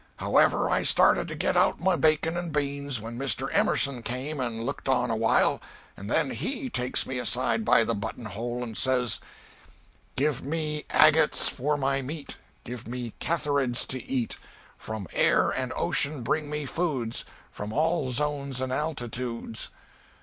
However, I started to get out my bacon and beans, when Mr. Emerson came and looked on awhile, and then he takes me aside by the buttonhole and says "'Give me agates for my meat; Give me cantharids to eat; From air and ocean bring me foods, From all zones and altitudes.'